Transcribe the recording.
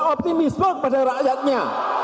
optimisme kepada rakyatnya